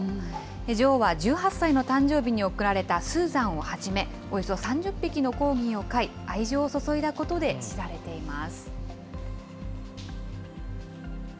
女王は１８歳の誕生日に贈られたスーザンをはじめ、およそ３０匹のコーギーを飼い、愛情を注いだことで知られています。